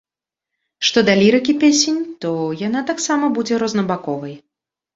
Што да лірыкі песень, то яна таксама будзе рознабаковай.